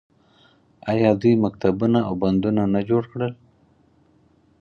آیا دوی مکتبونه او بندونه نه جوړ کړل؟